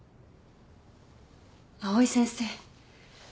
藍井先生。